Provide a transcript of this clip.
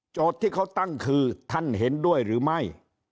ที่เขาตั้งคือท่านเห็นด้วยหรือไม่